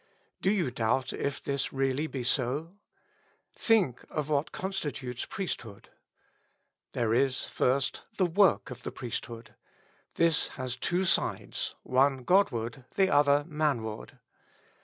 Do you doubt if this really be so ? Think of what constitutes priesthood. There is, first, the woi^k of the priesthood. This has two sides, one Godward, the other manward.